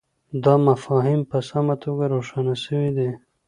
دا مفاهیم په سمه توګه روښانه سوي دي.